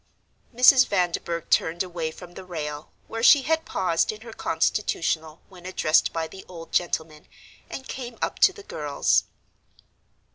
Mrs. Vanderburgh turned away from the rail, where she had paused in her constitutional when addressed by the old gentleman, and came up to the girls.